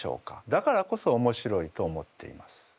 だからこそおもしろいと思っています。